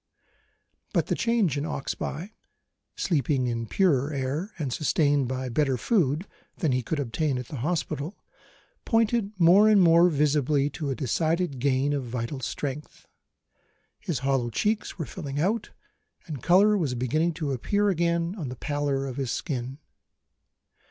But the change in Oxbye sleeping in purer air and sustained by better food than he could obtain at the hospital pointed more and more visibly to a decided gain of vital strength. His hollow checks were filling out, and colour was beginning to appear again on the pallor of his skin.